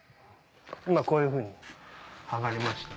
今こういうふうに剥がれました。